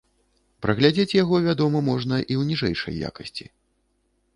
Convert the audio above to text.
Праглядзець яго, вядома, можна і ў ніжэйшай якасці.